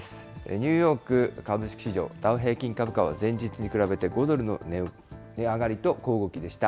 ニューヨーク株式市場、ダウ平均株価は、前日に比べて５ドルの値上がりと小動きでした。